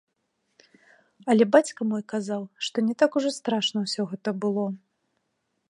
Але бацька мой казаў, што не так ужо страшна ўсё гэта было.